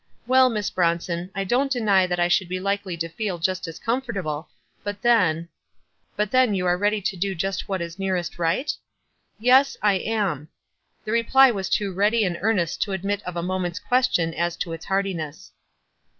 "Well, Miss Bronson, I don't deny that I should be likely to feel just as comfortable ; but then —" "But then you are ready to do just what ia nearest right ?" "Yes, lam." The reply was too ready and earnest to admit of a moment's question as to its heartiness.